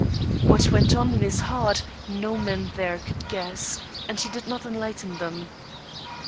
What went on in his heart, no man there could guess, and he did not enlighten them.